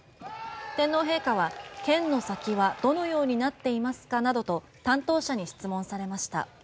天皇陛下は、剣の先はどのようになっていますかなどと担当者に質問されました。